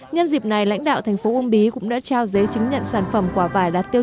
nhân dịp này lãnh đạo thành phố uông bí cũng đã trao giấy chứng nhận sản phẩm quả vải đạt tiêu